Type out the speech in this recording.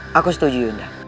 iya aku setuju bunda